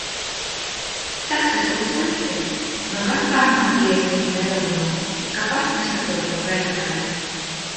Tas esot slikti. Nu gan pārmācījies līdz nelabumam, ka pats nesaprot, ko vervelē.